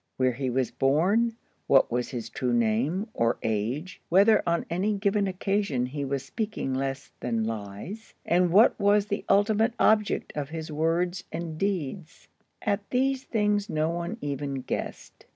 Where he was born, what was his true name or age, whether on any given occasion he was speaking less than lies, and what was the ultimate object of his words and deeds,—at these things no one even guessed.